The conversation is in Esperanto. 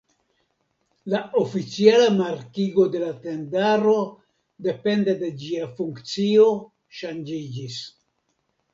La oficiala markigo de la tendaro depende de ĝia funkcio ŝanĝiĝis.